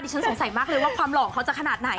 ฉันสงสัยมากเลยว่าความหล่อเขาจะขนาดไหน